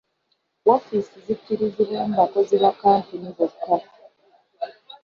Woofiisi zikkirizibwamu bakozi ba kkampuni bokka.